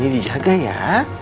tidak ada apa apa